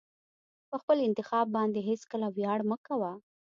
په خپل انتخاب باندې هېڅکله ویاړ مه کوه.